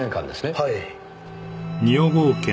はい。